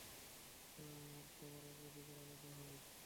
আর সবার অগ্রাধিকার আলাদা হয়।